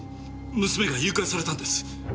娘が誘拐されたんです。